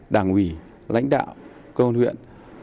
đảng quỷ lãnh đạo công an huyện